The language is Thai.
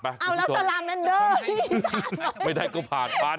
อ้าวแล้วสลามแมนเดอร์นี่ผ่านมั้ย